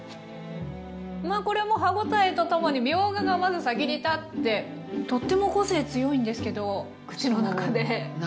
これも歯応えとともにみょうががまず先に立ってとっても個性強いんですけど口の中で合わさってくれる。